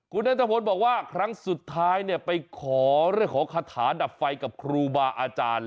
คุณนัทพลบอกว่าครั้งสุดท้ายไปขอเรื่องของคาถาดับไฟกับครูบาอาจารย์